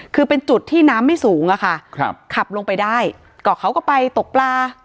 คือเป็นจุดที่น้ำไม่สูงอะค่ะครับขับลงไปได้ก็เขาก็ไปตกปลา